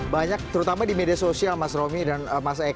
banyak terutama di media sosial mas romy dan mas eko